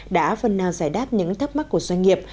đã phần nào giải đáp những thắc mắc của doanh nghiệp